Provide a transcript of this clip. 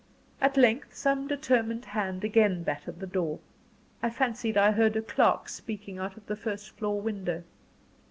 At length some determined hand again battered at the door. I fancied I heard a clerk speaking out of the first floor window.